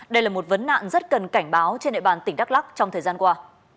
đây là một vấn nạn rất cần cảnh báo trên nội bàn tỉnh đắk lắk trong thời gian qua